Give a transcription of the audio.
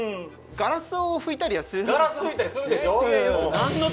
ガラス拭いたりするでしょ？